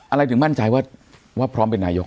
อะไรถึงมั่นใจว่าพร้อมเป็นนายก